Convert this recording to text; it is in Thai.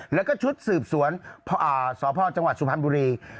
แล้วก็ชุดสืบสวนสพจังหวัดสุพรรณบุรี